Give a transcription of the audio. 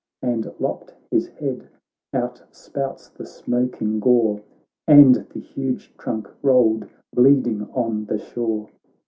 And lopped his head ; out spouts the smoking gore, And the huge trunk rolled bleeding on the shore.